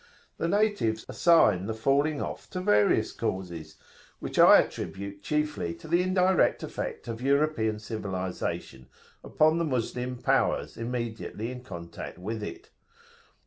The natives assign the falling off to various causes, which [p.177]I attribute chiefly to the indirect effect of European civilisation upon the Moslem powers immediately in contact with it.